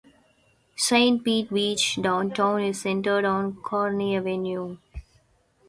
Saint Pete Beach's downtown is centered on Corey Avenue.